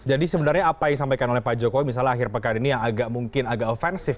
jadi sebenarnya apa yang disampaikan oleh pak jokowi misalnya akhir pekan ini yang agak mungkin agak offensive